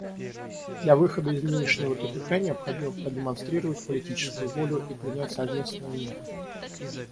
Для выхода из нынешнего тупика необходимо продемонстрировать политическую волю и принять совместные меры.